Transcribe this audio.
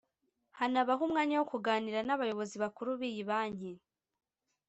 hanabaho umwanya wo kuganira n’abayobozi bakuru b’iyi banki